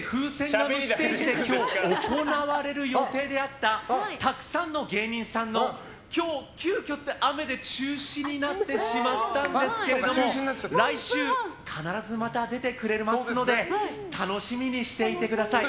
ガムステージで今日、行われる予定であったたくさんの芸人さんの今日、急きょ雨で中止になってしまったんですけども来週、必ずまた出てくれますので楽しみにしていてください。